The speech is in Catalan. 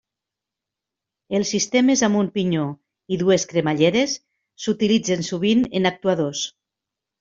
Els sistemes amb un pinyó i dues cremalleres s'utilitzen sovint en actuadors.